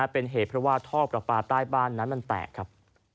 เป็นเหตุเพราะว่าท่อประปาใต้บ้านนั้นมันแตกครับ